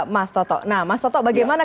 mas toto nah mas toto bagaimana